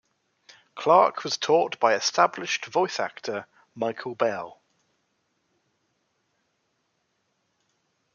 Clarke was taught by established voice actor Michael Bell.